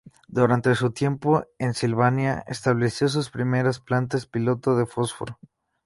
Durante su tiempo en Sylvania, estableció sus primeras plantas piloto de fósforo.